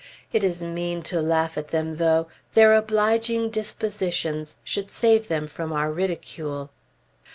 It is mean to laugh at them, though; their obliging dispositions should save them from our ridicule.